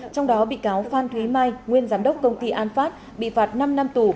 trong đó bị cáo phan thúy mai nguyên giám đốc công ty an phát bị phạt năm năm tù